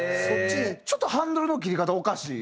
ちょっとハンドルの切り方おかしい。